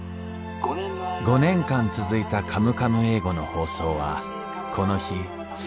５年間続いた「カムカム英語」の放送はこの日最後となりました